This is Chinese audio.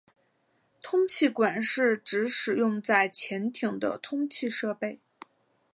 通气管是指使用在潜艇的通气设备。